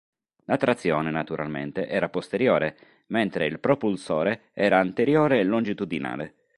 La trazione, naturalmente, era posteriore, mentre il propulsore era anteriore longitudinale.